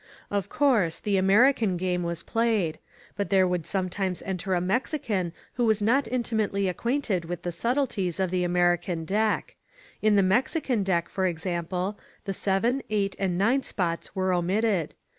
Of course, the American game was played. But 284 EL COSMOPOLITA there would sometimes enter a Mexican who was not intimately acquainted with the subtleties of the Ameri can deck. In the Mexican deck, for example, the seven, eight and nine spots are omitted.